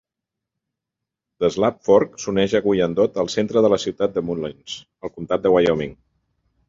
The Slab Fork s"uneix a Guyandotte al centre de la ciutat de Mullens, al comtat de Wyoming.